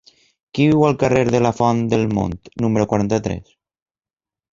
Qui viu al carrer de la Font del Mont número quaranta-tres?